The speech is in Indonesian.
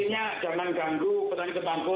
intinya jangan ganggu petani temanku